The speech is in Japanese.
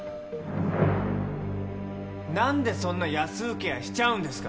何でそんな安請け合いしちゃうんですか？